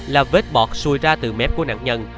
là vết bọt xuôi ra từ mép của nạn nhân